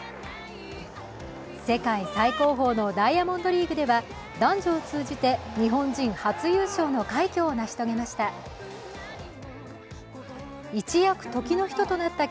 世界最高峰のダイヤモンドリーグでは男女を通じて日本人初優勝の快挙を成し遂げました。